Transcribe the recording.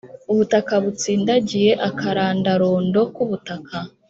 Ubutaka butsindagiye, Akarandarondo kubutaka